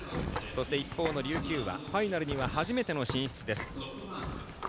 そして、一方の琉球はファイナルには初めての進出です。